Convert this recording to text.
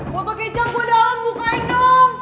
boto kejam gue dalam bukain dong